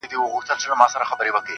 o د شېخانو د ټگانو، د محل جنکۍ واوره.